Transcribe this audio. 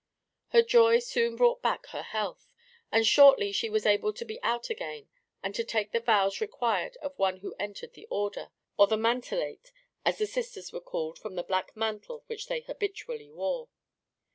Her joy soon brought back her health, and shortly she was able to be out again, and to take the vows required of one who entered the Order, or the Mantellate, as the Sisters were called from the black mantle which they habitually wore.